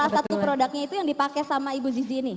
dan salah satu produknya itu yang dipakai sama ibu zizi ini